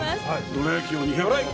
どら焼きを２００個。